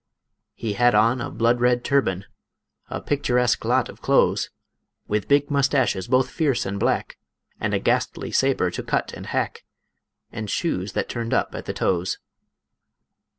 He had on a blood red turban, A picturesque lot of clothes, With big moustaches both fierce and black, And a ghastly saber to cut and hack, And shoes that turned up at the toes.